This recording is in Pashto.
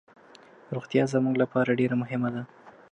روغتیا زموږ لپاره ډیر مهمه ده.